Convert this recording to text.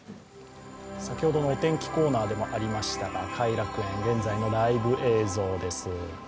先ほどのお天気コーナーでもありましたが偕楽園、現在のライブ映像です。